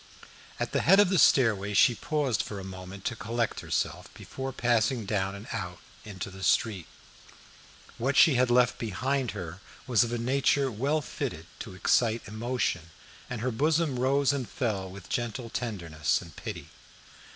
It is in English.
At the head of the stairway she paused for a moment to collect herself before passing down and out into the street. What she had left behind her was of a nature well fitted to excite emotion, and her bosom rose and fell with a gentle tenderness and pity.